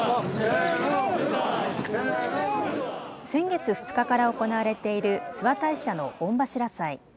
先月２日から行われている諏訪大社の御柱祭。